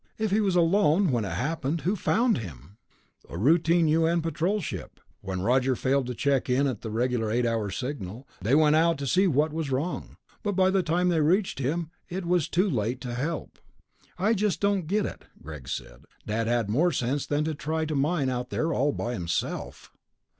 "If he was alone when it happened, who found him?" "A routine U.N. Patrol ship. When Roger failed to check in at the regular eight hour signal, they went out to see what was wrong. But by the time they reached him, it was too late to help." "I just don't get it," Greg said. "Dad had more sense than to try to mine out there all by himself."